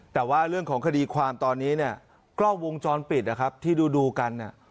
แต่ว่าเรื่องของคดีความตอนนี้เนี่ยกล้องวงจรปิดนะครับที่ดูกัน